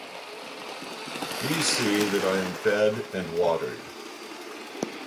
Please see that I am fed and watered.